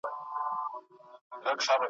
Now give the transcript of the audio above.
زمانې یمه یو عمر په خپل غېږ کي آزمېیلی ,